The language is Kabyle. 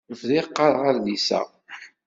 Bdiɣ qqareɣ adlis-a.